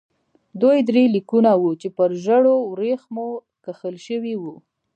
دوی درې لیکونه وو چې پر ژړو ورېښمو کښل شوي وو.